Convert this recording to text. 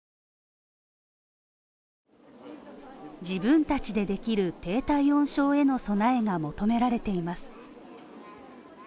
自分たちでできる低体温症への備えが求められています。